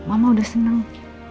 mama udah seneng